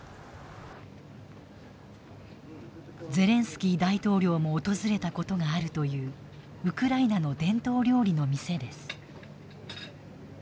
ゼレンスキー大統領も訪れたことがあるというウクライナの伝統料理の店です。